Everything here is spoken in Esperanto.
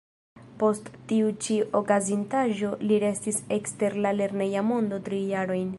Post tiu ĉi okazintaĵo li restis ekster la lerneja mondo tri jarojn.